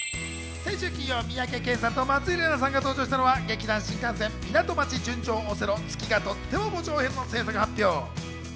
先週金曜、三宅健さんと松井玲奈さんが登場したのは劇団☆新感線『ミナト町純情オセロ月がとっても慕情篇』の制作発表。